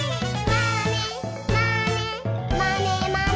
「まねまねまねまね」